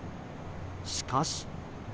しかし。